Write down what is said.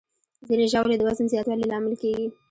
ځینې ژاولې د وزن زیاتوالي لامل کېږي.